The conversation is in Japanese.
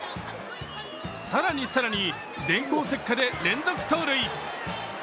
更に更に電光石火で連続盗塁。